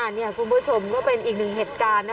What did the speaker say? นี่คุณผู้ชมก็เป็นอีกหนึ่งเหตุการณ์นะ